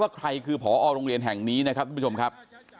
ใครคือพอโรงเรียนแห่งนี้นะครับทุกผู้ชมครับ